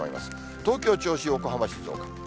東京、銚子、横浜、静岡。